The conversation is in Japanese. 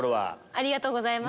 ありがとうございます。